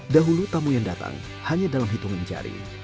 dahulu tamu yang datang hanya dalam hitungan jari